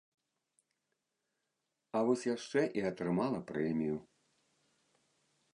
А вось яшчэ і атрымала прэмію.